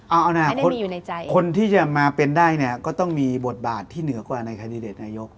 เอาอนาคตคนที่จะมาเป็นได้เนี่ยก็ต้องมีบทบาทที่เหนือกว่าในคันดิเดตนายก